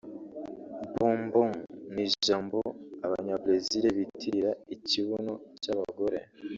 Bumbum ni ijambo Abanyabrezil bitirira ikibuno cy’abagore